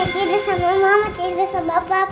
tidur sama mama tidur sama papa